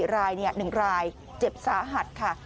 ๑ราย๑รายเจ็บสาหัสค่ะ